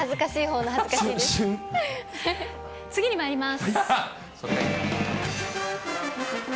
次にまいります。